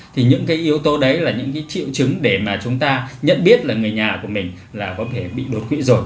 thì những cái yếu tố đấy là những cái triệu chứng để mà chúng ta nhận biết là người nhà của mình là có thể bị đột quỵ rồi